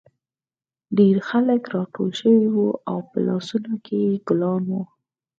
ډېر خلک راټول شوي وو او په لاسونو کې یې ګلان وو